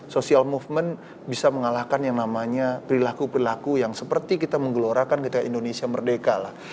social movement bisa mengalahkan yang namanya perilaku perilaku yang seperti kita menggelorakan ketika indonesia merdeka lah